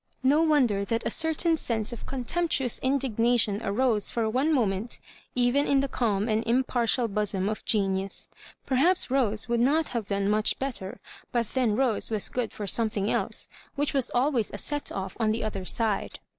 No wonder that a certain sense of contemptuous indignation arose for one moment, even in the calm and unpartial bosom of genius. Perhaps Rose would not have done much better ; but then Rose was good for some thmg else, which was always a set off on the other side.